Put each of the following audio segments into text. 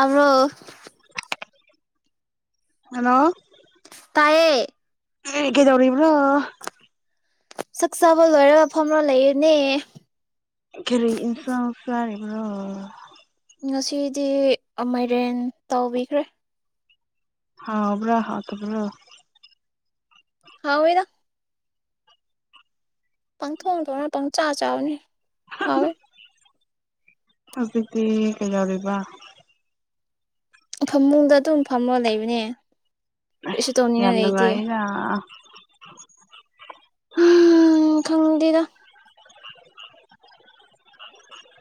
ꯑ ꯍꯜꯂꯣ ꯇꯥꯏꯌꯦ ꯑꯦ ꯀꯩꯗꯧꯔꯤꯕꯔꯣ ꯆꯥꯛ ꯆꯥꯕ ꯂꯣꯏꯔꯒ ꯐꯝꯔ ꯂꯩꯌꯦꯅꯦ ꯀꯔꯤ ꯏꯟꯁꯥꯡ ꯆꯥꯔꯤꯕ꯭ꯔꯣ ꯉꯁꯤꯗꯤ ꯃꯥꯏꯔꯦꯟ ꯇꯥꯎꯕꯤꯈ꯭ꯔꯦ ꯍꯥꯎꯕ꯭ꯔꯥ ꯍꯥꯥꯎꯇꯕ꯭ꯔꯣ ꯍꯥꯎꯏꯗ ꯄꯪꯊꯣꯡ ꯊꯣꯡꯉ ꯄꯪꯆꯥꯥ ꯆꯥꯕꯅꯤ ꯍꯥꯎꯋꯦ ꯍꯧꯖꯤꯛꯇꯤ ꯀꯩꯗꯧꯔꯤꯕ ꯐꯃꯨꯡꯗ ꯑꯗꯨꯝ ꯐꯝꯃ ꯂꯩꯕꯅꯦ ꯀꯔꯤꯁꯨ ꯌꯥꯝ ꯇꯧꯅꯤꯡꯉꯥꯏ ꯂꯩꯇꯦ ꯅꯨꯉꯥꯏꯌꯦꯅ ꯎꯝ ꯈꯡꯗꯦꯗꯥ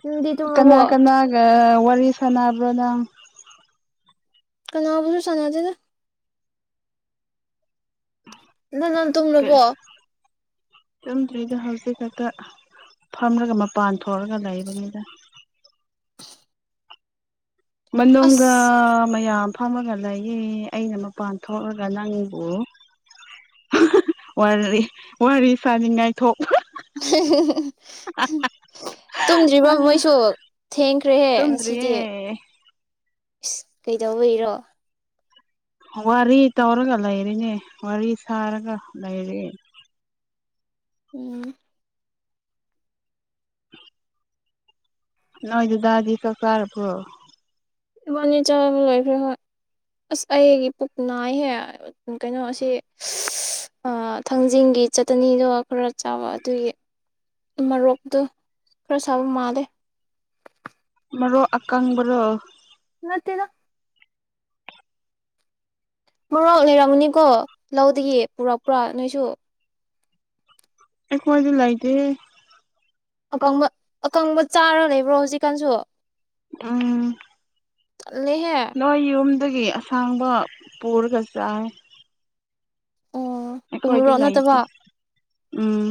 ꯅꯪꯗꯤ ꯇꯨꯝꯔꯕꯣ ꯀꯅꯥ ꯀꯅꯥꯒ ꯋꯥꯔꯤ ꯁꯥꯟꯅꯕ꯭ꯔ ꯅꯡ ꯀꯅꯥꯕꯨꯁꯨ ꯁꯅꯥꯗꯦꯗ ꯑꯗꯣ ꯅꯪ ꯇꯨꯝꯂꯕꯣ ꯇꯨꯝꯗ꯭ꯔꯤꯗ ꯍꯧꯖꯤꯛ ꯈꯛꯇ ꯐꯝꯂꯒ ꯃꯄꯥꯟ ꯊꯣꯛꯑꯒ ꯂꯩꯕꯅꯤꯗ ꯑꯁ [inaudible] ꯐꯝꯃꯒ ꯂꯩꯌꯦ ꯑꯩꯅ ꯃꯄꯥꯟ ꯊꯣꯛꯂꯒ ꯅꯪꯕꯨ ꯋꯥꯔꯤ ꯁꯥꯅꯤꯡꯉꯥꯏ ꯊꯣꯛ ꯇꯨꯝꯗ꯭ꯔꯤꯕ ꯃꯣꯏꯁꯨ ꯊꯦꯡꯈ꯭ꯔꯦꯍꯦ ꯇꯨꯝꯗ꯭ꯔꯤꯌꯦ ꯉꯁꯤꯗꯤ ꯏꯁ ꯀꯩꯗꯧꯕꯩꯔꯣ ꯋꯥꯔꯤ ꯇꯧꯔꯒ ꯂꯩꯔꯤꯅꯦ ꯋꯥꯔꯤ ꯁꯥꯔꯒ ꯂꯩꯔꯦ ꯎꯝ ꯅꯣꯏꯗꯨꯗꯥꯗꯤ ꯀ ꯀꯥꯔꯔꯕꯣ ꯏꯕꯥꯅꯤ ꯆꯥꯕ ꯂꯣꯏꯈ꯭ꯔꯦ ꯍꯣꯏ ꯑꯁ ꯑꯩꯒꯤ ꯄꯨꯛ ꯅꯥꯏꯍꯦ ꯀꯩꯅꯣꯁꯤ ꯊꯥꯡꯖꯤꯡꯒꯤ ꯆꯇꯅꯤꯗꯣ ꯈꯔ ꯆꯥꯕ ꯑꯗꯨꯒꯤ ꯃꯣꯔꯣꯛꯇꯣ ꯈꯔ ꯁꯥꯕ ꯃꯥꯜꯂꯦ ꯃꯔꯣꯛ ꯑꯀꯥꯡꯕꯣ ꯅꯥꯠꯇꯦꯗ ꯃꯔꯣꯛ ꯂꯩꯔꯝꯃꯅꯤꯀꯣ ꯂꯧꯗꯒꯤ ꯄꯨꯔꯛꯄ꯭ꯔꯥ ꯅꯣꯏꯁꯨ ꯑꯦꯀꯋꯥꯗꯂ ꯑꯥꯏꯗꯤ [unintelligible] ꯑꯝ ꯇꯜꯂꯦꯍꯦ ꯅꯣꯏ ꯌꯨꯝꯗꯒꯤ ꯑꯁꯥꯡꯕ ꯄꯨꯔꯒ ꯆꯥꯏ ꯑꯣ ꯑꯩꯈꯣꯏꯗꯤ ꯎꯃꯣꯔꯣꯛ ꯅꯠꯇꯕ ꯂꯩꯇꯦ ꯎꯝ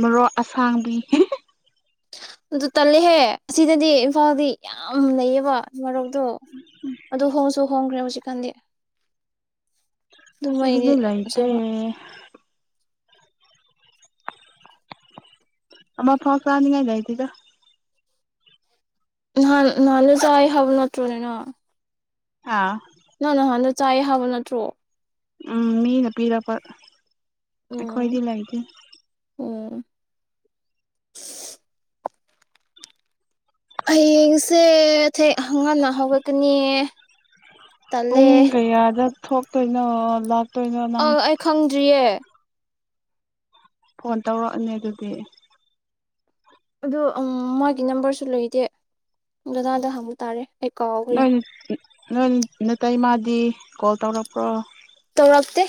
ꯃꯔꯣꯛ ꯑꯁꯥꯡꯕꯤ ꯑꯗꯨ ꯇꯜꯂꯦꯍꯦ ꯑꯁꯤꯗꯗꯤ ꯏꯝꯐꯥꯜꯗꯤ ꯌꯥꯝ ꯂꯩꯌꯦꯕ ꯃꯔꯣꯛꯇꯣ ꯑꯗꯨ ꯍꯣꯡꯁꯨ ꯍꯣꯡꯈ꯭ꯔꯦ ꯍꯧꯖꯤꯛꯀꯥꯟꯗꯤ ꯑꯗꯨ ꯃꯣꯏꯒꯤꯗꯤ ꯑꯁꯗꯥꯗꯤ ꯌꯥꯝ ꯂꯩꯥꯇꯦ ꯁꯥꯕ ꯑꯃ ꯐꯥꯎ ꯆꯥꯅꯤꯉꯥꯏ ꯂꯩꯇꯦꯗ ꯅꯥꯟ ꯅꯍꯦ ꯆꯥꯏ ꯍꯕ ꯅꯠꯇ꯭ꯔꯅꯦꯅ ꯍꯥ ꯅꯡ ꯅꯍꯥꯟꯗ ꯆꯥꯏ ꯍꯥꯕ ꯅꯠꯇ꯭ꯔꯣ ꯎꯝ ꯃꯤꯅ ꯄꯤꯔꯄ ꯎꯝ ꯑꯈꯣꯏꯗ ꯂꯩꯇꯦ [inaudible] ꯍꯌꯦꯡꯁꯦ ꯊꯦꯡ ꯉꯟꯅ ꯍꯧꯒꯠꯀꯅꯤꯌꯦ ꯄꯨꯡ ꯀꯌꯥꯗ ꯊꯣꯛꯇꯣꯏꯅꯣ [unintelligible] ꯑ ꯅꯪ ꯑꯩ ꯈꯡꯗ꯭ꯔꯤꯌꯦ ꯐꯣꯟ ꯇꯧꯔꯛꯑꯅꯤ ꯑꯗꯨꯗꯤ ꯑ ꯃꯥꯒꯤ ꯅꯝꯕꯔꯁꯨ ꯂꯩꯇꯦ ꯗꯗꯥꯗ ꯍꯪꯕ ꯇꯥꯔꯦ ꯑꯩ ꯀꯥꯎꯈ꯭ꯔꯦ ꯅ ꯅ ꯇꯥꯏ ꯃꯥ ꯗꯤ ꯀꯣꯜ ꯇꯧꯔꯛꯄ꯭ꯔꯣ ꯇꯧꯔꯞꯇꯦ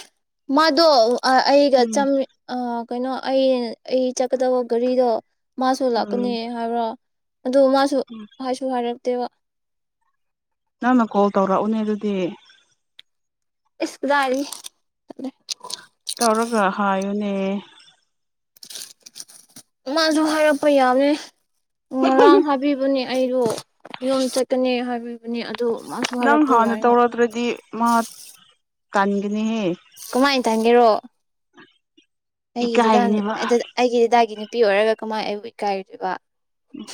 ꯃꯥꯗꯣ ꯑ ꯑꯩꯒ ꯎꯝ ꯆ ꯀꯩꯅꯣ ꯑꯩ ꯑꯩ ꯆꯠꯀꯗꯕ ꯒꯥꯔꯤꯗꯣ ꯃꯥꯁꯨ ꯎꯝ ꯂꯥꯛꯀꯅꯤ ꯍꯥꯏꯕ꯭ꯔꯣ ꯑꯗꯨ ꯃꯥꯁꯨ ꯍꯥꯏꯁꯨ ꯍꯥꯏꯔ ꯇꯦꯕ ꯅꯪꯅ ꯀꯣꯜ ꯇꯧꯔꯛꯎꯅꯦ ꯑꯗꯨꯗꯤ ꯏꯁꯀꯗꯥꯒꯤ ꯇꯧꯔꯒ ꯍꯥꯏꯌꯨꯅꯦ ꯃꯥꯁꯨ ꯍꯥꯏꯔꯛꯄ ꯌꯥꯅꯤ ꯉꯔꯥꯡ ꯍꯥꯏꯕꯤꯕꯅꯦ ꯑꯩꯗꯣ ꯌꯨꯝꯝ ꯆꯠꯀꯅꯤ ꯍꯥꯏꯕꯤꯕꯅꯦ ꯑꯗꯨ ꯃꯥꯁꯨ ꯅꯪ ꯍꯥꯏꯔꯛꯄ ꯍꯥꯟꯅ ꯌꯥꯏꯅ ꯇꯧꯔꯛꯇ꯭ꯔꯗꯤ ꯃꯥ [unintelligible] ꯅꯤꯍꯦ ꯇꯟ ꯒꯦꯔꯣ ꯏꯀꯥꯏꯒꯅꯦꯕ ꯑꯩꯒꯤꯗꯗ ꯑꯩꯒꯤꯗꯗꯅꯤ ꯄꯤ ꯑꯣꯏꯔꯒ ꯀꯃꯥꯏ ꯑꯩꯕꯨ ꯏꯀꯥꯏꯗꯨꯏꯕ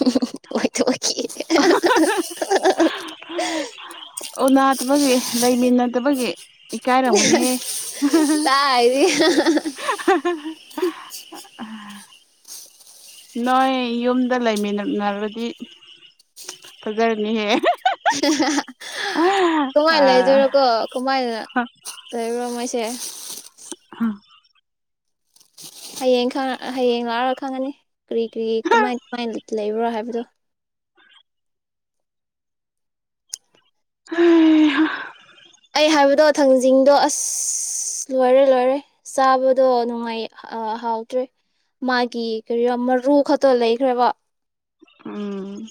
[unintelligible] ꯊꯣꯛꯀꯦ ꯎ ꯅꯗꯕꯒꯤ ꯂꯩꯃꯤꯟꯅꯗꯕꯒꯤ ꯏꯀꯥꯏꯔꯝꯒꯅꯤ ꯇꯥꯏꯗꯤ [unintelligible] ꯅꯣꯏ ꯌꯨꯝꯗ ꯂꯩꯃꯤꯟꯅꯔꯗꯤ ꯐꯖꯔꯅꯤꯍꯦ [unintelligible] ꯀꯃꯥꯏꯅ ꯂꯩꯗꯣꯏꯔꯣ ꯀꯣ ꯀꯃꯥꯏꯅ ꯂꯩꯔꯨꯔꯃ ꯆꯦ ꯑ ꯍꯌꯦꯡ ꯍꯌꯦꯡ ꯂꯥꯛꯑꯒ ꯈꯪꯉꯅꯤ ꯀꯔꯤ ꯀꯔꯤ ꯀꯃꯥꯏ ꯀꯃꯥꯏꯅ ꯂꯩꯕ꯭ꯔꯣ ꯍꯥꯏꯕꯗꯣ ꯑ ꯑꯩ ꯍꯥꯏꯕꯗꯣ ꯊꯥꯡꯖꯤꯡꯗꯣ ꯑꯁ ꯂꯣꯏꯔꯦ ꯂꯣꯏꯔꯦ ꯆꯥꯕꯗꯣ ꯅꯨꯡꯉꯥꯏ ꯍꯥꯎꯇ꯭ꯔꯦ ꯃꯥꯒꯤ ꯀꯔꯤ ꯃꯔꯨ ꯈꯛꯇꯣ ꯂꯩꯈ꯭ꯔꯦꯕ ꯎꯝ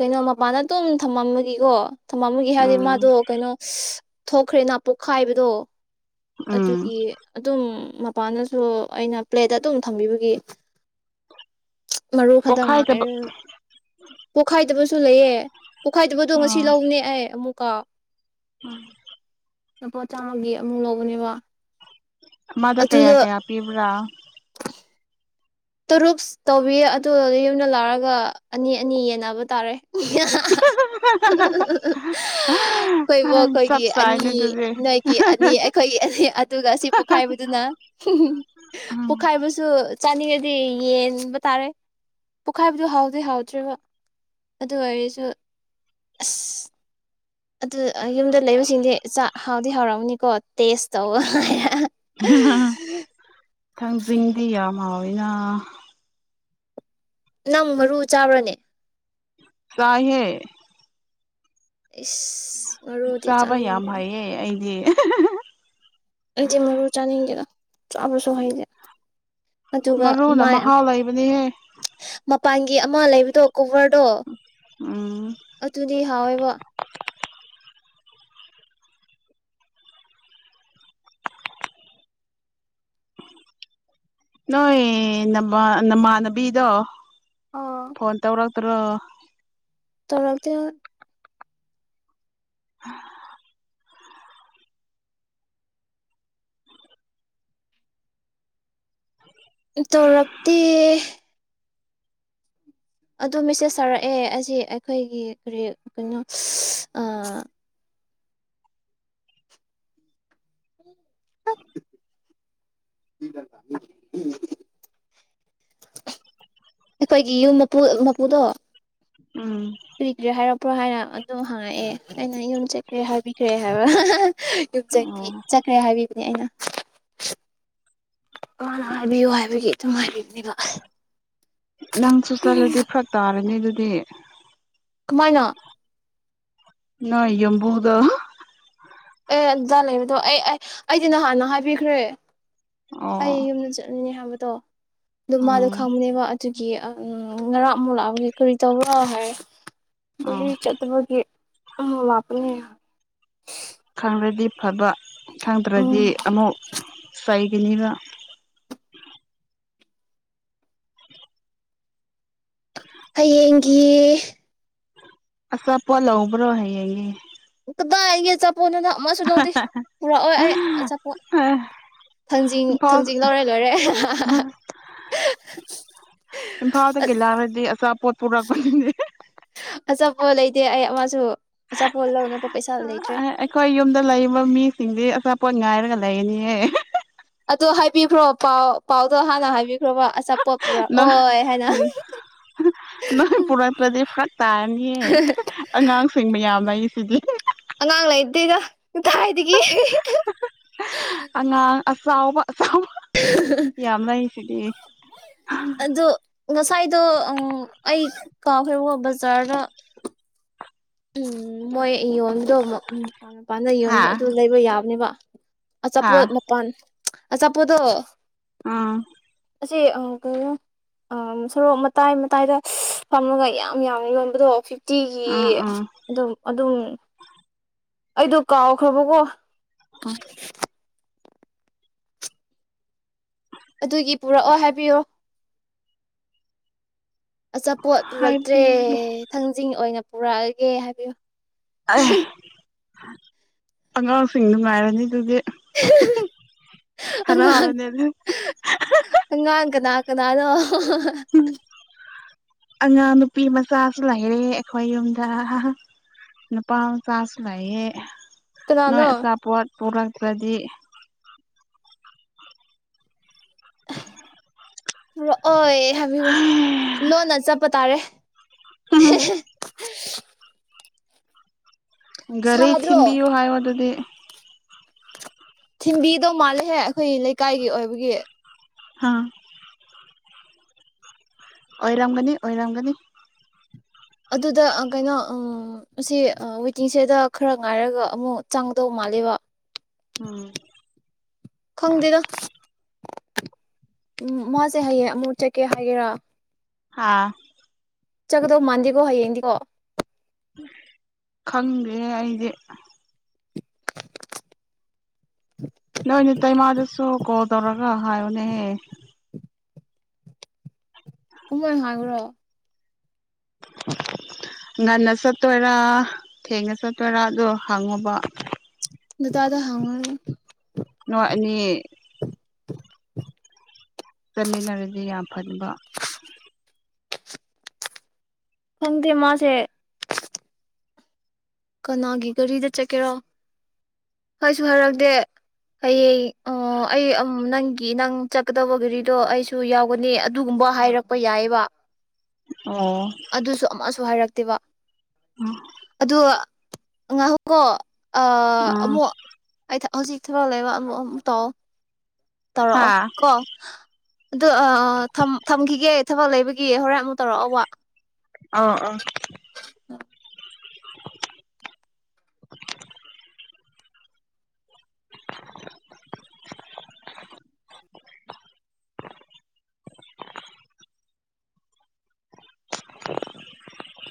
ꯀꯩꯅꯣ ꯃꯄꯥꯟꯗ ꯇꯨꯝ ꯊꯝꯃꯝꯕꯒꯤꯀꯣ ꯊꯝꯕꯃꯒꯤ ꯍꯥꯏꯔꯗꯤ ꯎꯝ ꯃꯥꯗꯣ ꯀꯩꯅꯣ ꯊꯣꯛꯈ꯭ꯔꯦꯅ ꯄꯣꯛꯈꯥꯏꯕꯗꯣ ꯎꯝ ꯑꯗꯨꯒꯤ ꯑꯗꯨꯝ ꯃꯄꯥꯟꯗꯁꯨ ꯑꯩꯅ ꯄ꯭ꯂꯦꯠ ꯑꯗꯨꯝ ꯊꯝꯕꯤꯕꯒꯤ ꯃꯔꯨ ꯈꯛꯇꯪ ꯄꯣꯛꯈꯥꯏꯗꯕ ꯉꯥꯏꯔ ꯄꯣꯛꯈꯥꯏꯗꯕꯁꯨ ꯂꯩꯌꯦ [inaudible] ꯄꯣꯛꯈꯥꯏꯗꯕꯗꯣ ꯉꯁꯤ ꯂꯅꯦ ꯑꯩ ꯑꯃꯨꯛ ꯀꯨꯇꯥ ꯎꯝ ꯂꯨꯄꯥ ꯆꯥꯝꯃꯒꯤ ꯑꯃꯨꯛ ꯂꯧꯕꯅꯦꯕ ꯃꯥꯗ ꯀꯌꯥ ꯑꯗꯨꯗ ꯀꯌꯥ ꯄꯤꯕ꯭ꯔꯥ [inaudible] ꯇꯔꯨꯛ ꯇꯧꯕꯤꯌꯦ ꯑꯗꯨ ꯌꯨꯝꯗ ꯂꯥꯛꯑꯒ ꯑꯅꯤ ꯑꯅꯤ ꯌꯦꯟꯅꯕ ꯇꯥꯔꯦ ꯑꯩꯈꯣꯏꯕꯨ ꯆꯞ ꯑꯩꯈꯣꯏꯒꯤ ꯆꯥꯏꯅꯦ ꯑꯅꯤ ꯑꯗꯨꯗꯤ ꯅꯣꯏꯒꯤ ꯑꯅꯤ ꯑꯩꯈꯣꯏꯒꯤ ꯑꯅꯤ ꯑꯗꯨꯒ ꯁꯤ ꯄꯣꯛꯈꯥꯏꯕꯗꯨꯅ ꯎꯝ ꯄꯣꯛꯈꯥꯏꯕꯁꯨ ꯆ ꯗꯤ ꯌꯦꯡꯕ ꯇꯥꯔꯦ ꯄꯣꯛꯈꯥꯏꯕꯗꯨꯣ ꯍꯥꯎꯗꯤ ꯍꯥꯎꯗ꯭ꯔꯦꯔꯤꯕ ꯑꯗꯨ ꯑꯣꯏꯔꯁꯨ ꯑꯁ ꯑꯗꯨ ꯌꯨꯝꯗ ꯂꯩꯕꯁꯤꯡꯗꯤ ꯆꯥꯛ ꯍꯥꯎꯗꯤ ꯍꯥꯎꯔꯝꯑꯅꯤꯀꯣ ꯇꯦꯁ ꯇꯧꯕ ꯑ ꯊꯥꯡꯖꯤꯡꯗꯤ ꯌꯥꯝ ꯍꯥꯎꯋꯤꯅ ꯅꯪ ꯃꯔꯨ ꯆꯥꯕ꯭ꯔꯅꯦ ꯀꯍꯦ ꯏꯁꯁ ꯃ ꯔꯣꯗꯤꯦ ꯆꯥꯕ ꯆꯅꯤ ꯌꯥꯝ ꯍꯩꯌꯦ [inaudible] ꯆꯦ ꯃꯔꯔ ꯆꯥꯅꯤꯡꯗꯦꯅ ꯑꯕꯁ ꯍꯅꯦ ꯃꯔꯨꯅ ꯃꯍꯥꯎ ꯂꯩꯕꯅꯦꯍꯦ ꯎ ꯄꯥꯟꯒꯤ ꯑꯃ ꯂꯩꯕꯗꯣ ꯀꯣꯚꯔꯗꯣ ꯎꯝ ꯑꯗꯨꯗꯤ ꯍꯥꯎꯋꯦꯕ ꯅꯣꯏ ꯅꯃ ꯅꯃꯥꯟꯅꯕꯤꯗꯣ ꯑꯥ ꯐꯣꯟ ꯇꯧꯔ ꯀꯨꯠꯇ꯭ꯔꯣ ꯇꯔꯛꯗꯤ ꯑ ꯇꯧꯣꯔꯞꯇ ꯑꯗꯣ ꯃꯦꯁꯦꯁ ꯇꯥꯔꯛꯑꯦ ꯑꯁꯤ ꯑꯩꯈꯣꯏꯒꯤ ꯀꯔꯤ ꯀꯩꯅꯣ ꯝ ꯑꯩꯈꯣꯏꯒꯤ ꯌꯨꯝ ꯃꯄꯨ ꯃꯄꯨꯗꯣ ꯎꯝ ꯐ ꯀ꯭ꯔꯤ ꯍꯥꯏꯔ ꯄ꯭ꯔꯣ ꯍꯥꯏꯔ ꯑꯗꯨꯝ ꯍꯪꯉꯛꯑꯦ ꯑꯩꯅ ꯌꯨꯝ ꯆꯠꯈ꯭ꯔꯦ ꯍꯥꯏꯕꯤꯈ꯭ꯔꯦ ꯍꯥꯏꯕ ꯌꯨꯝ ꯑꯣ ꯆꯠꯈ꯭ꯔꯦ ꯍꯥꯏꯕꯤꯕꯅꯦ ꯑꯩꯅ ꯃꯥꯅ ꯍꯥꯏꯕꯤꯌꯨ ꯍꯥꯏꯕꯒꯤ ꯑꯗꯨꯝ ꯍꯥꯏꯕꯤꯕꯅꯦꯕ ꯑ ꯅꯪꯁꯨ ꯆꯠꯂꯗꯤ ꯐꯔꯛ ꯇꯥꯔꯅꯤ ꯑꯗꯨ ꯑꯗꯨ ꯀꯃꯥꯏꯅ꯫ ꯅꫭꯏ ꯌꯨꯝꯕꯨꯗꫭ ꯑꯦ ꯑꯗꯨꯗꯥ ꯂꯩꯕꯗꯣ ꯑꯩ ꯑꯩꯗꯤ ꯅꯍꯥꯟꯅ ꯍꯥꯏꯕꯤꯈ꯭ꯔꯦ ꯑꯣ ꯑꯩ ꯌꯨꯝꯗ ꯆꯠꯅꯤꯡꯉꯦ ꯍꯥꯏꯕ ꯠꯇꯣ ꯑꯗꯨ ꯃꯥꯗꯣ ꯎꯝ ꯈꯪꯕꯅꯦꯕ ꯑꯗꯨ ꯒꯤ ꯑꯪ ꯉꯔꯥꯡ ꯑꯃꯨꯛ ꯂꯥꯛꯕꯒꯤ ꯀꯔꯤ ꯇꯧꯕ ꯍꯥꯏ ꯑꯣ ꯒꯥꯔꯤ ꯆꯠꯇꯕꯒꯤ ꯑꯃ ꯂꯥꯛꯄꯅꯦ꯫ ꯈꯪꯔꯗꯤ ꯐꯕ꯫ ꯈꯪꯗ꯭ꯔꯗꯤ ꯎꯝ ꯑꯃꯨꯛ ꯁꯥꯏ [unintelligible] ꯍꯌꯦꯡꯒꯤꯌꯦꯦ ꯑꯆꯥꯞꯄꯣꯠ ꯂꯧꯕ꯭ꯔꯣ ꯍꯩꯌꯦꯌꯦ꯫ ꯏꯒꯦ ꯆ ꯄꯣꯟꯗꯨꯅ ꯑꯃꯁꯨ ꯂꯧꯗꯦ ꯄꯨꯔꯛꯑꯣꯏ ꯑꯩ ꯑꯆꯥꯄꯣꯠ ꯑꯦ ꯊꯥꯡꯖꯤꯡ ꯏꯝꯐꯥꯜ ꯊꯥꯡꯖꯤꯡ ꯂꯧꯔꯦ ꯂꯣꯏꯔꯦ꯫ ꯏꯝꯐꯥꯜꯗꯒꯤ ꯂꯥꯛꯔꯗꯤ ꯑꯆꯥꯄꯣꯠ ꯄꯨꯔꯛꯄꯅꯤꯅꯦ꯫ ꯑꯆꯥꯄꯣꯠ ꯂꯩꯇꯦ ꯑꯩ ꯑꯃꯁꯁꯨ ꯑꯆꯥꯄꯣꯠ ꯂꯧꯅꯕ ꯄꯩꯁꯥ ꯂꯩꯇ꯭ꯔꯦ ꯑꯩꯈꯣꯏ ꯌꯨꯝꯗ ꯂꯩꯔꯤꯕ ꯃꯤꯁꯤꯡꯗꯤ ꯑꯆꯥꯄꫭꯠ ꯉꯥꯏꯔꯒ ꯂꯩꯒꯅꯤꯍꯦ꯫ ꯑꯗꯣ ꯍꯥꯏꯕꯤꯈ꯭ꯔꯣ ꯄꯥꯎ ꯄꯥꯎꯗꯣ ꯍꯥꯟꯅ ꯍꯥꯏꯕꯤꯈ꯭ꯔꯣꯕ ꯑꯆꯥ ꯅꫭꯏ ꯎꯝ ꯅꯣꯏ ꯄꯨꯔꯛꯇ꯭ꯔꯗꯤ ꯐꯔꯛ ꯇꯥꯔꯅꯤꯌꯦ ꯑꯉꯥꯡꯁꯤꯡ ꯃꯌꯥꯝꯅ ꯑꯩ ꯁꯤꯗꯤ ꯅꯥꯡꯂ ꯏꯗꯒ ꯀꯥꯏꯗꯒꯤ ꯑ ꯑꯥꯎꯕ ꯑꯗꯨ ꯉꯁꯥꯏꯗꯣ ꯑ ꯑꯩ ꯀꯥꯎꯈ꯭ꯔꯦ ꯋꫭ ꯕꯖꯥꯔꯗ ꯎꯝ ꯃꯣꯏ ꯑꯩ ꯌꯣꯟꯕꯗꯣ ꯑꯃꯨꯛ ꯃꯄꯥꯟ ꯃꯄꯥꯟꯗ ꯍꯥ ꯌꯣꯟꯕꯗꯣ ꯑꯗꯨ ꯂꯩꯕ ꯌꯥꯕꯅꯦꯕ꯫ ꯍꯥ ꯑꯆꯥꯄꫭꯠ ꯃꯄꯥꯟ ꯑꯆꯥꯄꯣꯠꯗꫭ ꯑꯥ ꯑꯁꯤ ꯑ ꯀꯩꯅꯣ ꯑꯝ ꯁꯣꯔꯣꯛ ꯃꯇꯥꯏ ꯃꯇꯥꯏꯗ ꯐꯝꯑꯒ ꯌꯥꯝ ꯌꯥꯝꯅ ꯌꯣꯟꯕꯗꯣ ꯐꯤꯐ ꯇꯤꯒꯤ ꯎꯝ ꯎꯝ ꯑꯗꯨꯝ ꯑꯗꯨꯝ ꯑꯩꯗꯣ ꯀꯥꯎꯈ꯭ꯔꯕꯀꯣ꯫ ꯑꯗꯨꯒꯤ ꯄꯨꯔꯛꯑꯣ ꯍꯥꯏꯕꯤꯌꯣ꯫ ꯑꯆꯥꯄꯣꯠ ꯄꯨꯔꯛꯇ꯭ꯔꯦ ꯍꯥꯏꯕꯤꯒꯦ ꯊꯥꯡꯖꯤꯡ ꯑꯣꯏꯅ ꯄꯨꯔꯥꯑꯒꯦ ꯍꯥꯏꯕꯤꯌꯨ ꯑꯥꯏ ꯑꯉꯥꯡꯁꯤꯡꯗꯨ ꯉꯥꯏꯔꯅꯤ ꯑꯗꯨꯗꯤ ꯑꯉꯥꯡ ꯍꯔꯥꯎꯔꯅꯤ ꯑꯗꯨ ꯑꯉꯥꯡ ꯀꯅꯥ ꯀꯅꯥꯅꯣ [unintelligible] ꯑꯉꯥꯡ ꯅꯨꯄꯤ ꯃꯆꯥꯁꯨ ꯂꯩꯔꯦ ꯑꯩꯈꯣꯏ ꯌꯨꯝꯗ ꯅꯨꯄꯥ ꯃꯆꯥꯁꯨ ꯂꯩꯑꯦ ꯅ ꯀꯅꯥꯅꯣ ꯁꯥꯄꯣꯠ ꯄꯣꯔꯔꯥ ꯄꯗꯤ ꯊꯣꯔꯛ ꯑꯣꯏ ꯍꯥꯏꯕꯤꯈ꯭ꯔꯣ ꯍꯩ ꯂꯣꯟꯅ ꯆꯠꯄ ꯇꯥꯔꯦ [unintelligible] [unintelligible] ꯒꯥꯔꯤ ꯁꯥꯗ꯭ꯔꯣ ꯊꯤꯟꯕꯤꯌꯨ ꯍꯥꯏꯎ ꯑꯗꯨꯗꯤ ꯊꯤꯟꯕꯤꯗꯧ ꯃꯥꯜꯂꯦꯍꯦ ꯑꯩꯈꯣꯏ ꯂꯩꯀꯥꯏꯒꯤ ꯑꯣꯏꯕꯒꯤ ꯍꯥꯥ ꯑꯣꯏꯔꯝꯒꯅꯤ ꯑꯣꯏꯔꯝꯒꯅꯤ ꯑꯗꯨꯗ ꯑꯥ ꯀꯩꯅꯣ ꯑꯥ ꯑꯁꯤ ꯑꯥ ꯋꯦꯇꯤꯡꯁꯦꯗꯇ ꯈꯔ ꯉꯥꯏꯔꯒ ꯑꯃꯨꯛ ꯆꯪꯒꯗꯧ ꯃꯥꯜꯂꯦꯕ ꯎꯝ ꯈꯪꯗꯦꯗ ꯎ ꯃꯥꯁꯦ ꯍꯌꯦꯌꯦꯡ ꯑꯃꯨꯠ ꯆꯠꯀꯦ ꯍꯥꯏꯒꯦꯔꯥ ꯍꯥꯥ ꯆꯪꯒꯗꯧ ꯃꯥꯟꯗꯦꯒꯣ ꯍꯌꯦꯡꯗꯤꯀꯣ ꯈꯪꯦ ꯑꯩꯗꯦ ꯅꯣꯏ ꯅꯇꯩꯃꯥ ꯑꯗꯨꯁꯨ ꯀꯣꯜ ꯇꯧꯔꯒ ꯍꯥꯏꯌꯨꯅꯦꯍꯦ ꯀꯃꯣꯏ ꯍꯥꯡꯉ꯭ꯔꯣ ꯉꯟꯅ ꯆꯠꯇꯣꯏꯔꯥ ꯊꯦꯡꯅ ꯆꯠꯇꯣꯏꯔꯥꯗꯣ ꯍꯪꯉꯨꯕ ꯅꯗꯥꯥꯗ ꯍꯪꯉ ꯅꯣꯏ ꯑꯅꯤ ꯆꯠꯃꯤꯟꯅꯔꯗꯤ ꯌꯥꯝ ꯐꯟꯕ ꯈꯪꯗꯦ ꯃꯥꯁꯦ ꯀꯅꯥꯒꯤ ꯒꯥꯔꯤꯗ ꯆꯠꯀꯦꯔꯣ ꯍꯥꯏꯁꯨ ꯍꯥꯏꯔꯛꯗꯦ ꯍꯌꯦꯡ ꯑꯣ ꯑꯩ ꯑꯣ ꯅꯪꯒꯤ ꯅꯪ ꯆꯠꯀꯗꯕ ꯒꯥꯔꯤꯗꯣ ꯑꯩꯁꯨ ꯌꯥꯎꯒꯅꯤ ꯑꯗꯨꯒꯨꯝꯕ ꯍꯥꯏꯔꯛꯄ ꯌꯥꯏꯕ [inaudible] ꯑꯗꯨꯁꯨ ꯑꯃꯁꯨ ꯍꯥꯏꯔꯛꯦ ꯇꯦꯕ ꯎꯝ ꯑꯗꯣ ꯉꯍꯨꯀꯣ ꯑ ꯎꯝ ꯃꯣ ꯑ ꯍꯧꯖꯤꯛ ꯊꯕꯛ ꯂꯩꯕ ꯑꯃꯨꯛ ꯑꯃꯨꯛ ꯇꯧ ꯑꯣ ꯍꯥ ꯇꯧꯔꯛꯑꯣ ꯀꯣ ꯑꯗꯣ ꯑꯥ ꯑ ꯊꯝ ꯊꯝꯈꯤꯒꯦ ꯊꯕꯛ ꯂꯩꯕ ꯍꯣꯔꯦꯟ ꯑꯃꯨꯛ ꯇꯧꯔꯛꯑꯣꯕ ꯑ ꯑ [unintelligible]